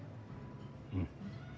うん。